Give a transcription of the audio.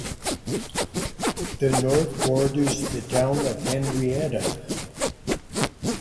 The north borders the town of Henrietta.